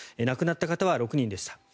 亡くなった方は６人でした。